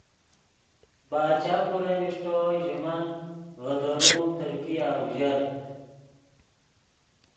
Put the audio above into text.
باچا پورن اݰٹو ژے من ڤے دورون ترکیا اوژر